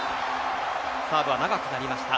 サーブが長くなりました。